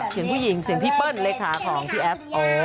เสียงผู้หญิงเสียงพี่เปิ้ลเลขาของพี่แอฟ